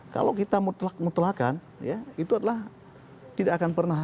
kalau kita mutlak mutlakan itu adalah tidak akan pernah ada